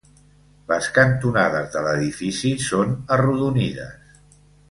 Les cantonades de l'edifici són arrodonides.